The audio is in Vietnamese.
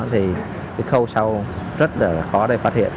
thì cái khâu sau rất là khó để phát hiện